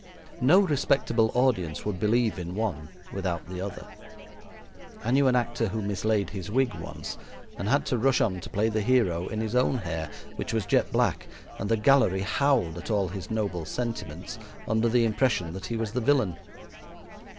No respectable audience would believe in one without the other. I knew an actor who mislaid his wig once and had to rush on to play the hero in his own hair, which was jet black, and the gallery howled at all his noble sentiments under the impression that he was the villain.